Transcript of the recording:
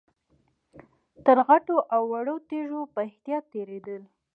تر غټو او وړو تيږو په احتياط تېرېدل.